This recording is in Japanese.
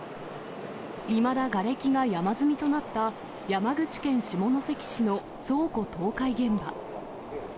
いまだがれきが山積みとなった山口県下関市の倉庫倒壊現場。